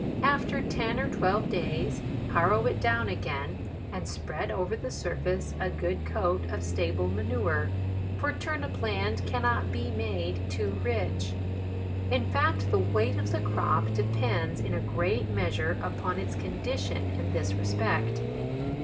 After ten or twelve days, harrow it down again, and spread over the surface a good coat of stable manure : for turnip land cannot be made too JULY. 157 rich ; in fact the weight of the crop depends in a great measure upon its condition in this respect.